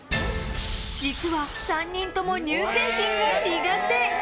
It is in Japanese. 実は、３人とも乳製品が苦手！